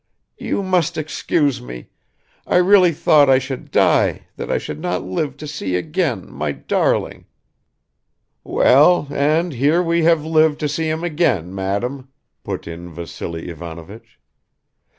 "You must excuse me. I really thought I should die, that I should not live to see again my darling " "Well and here we have lived to see him again, madam," put in Vassily Ivanovich.